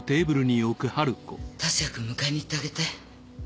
達也君迎えに行ってあげて。